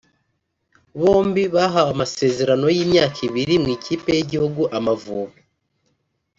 bombi bahawe amasezerano y’imyaka ibiri mu ikipe y’igihugu Amavubi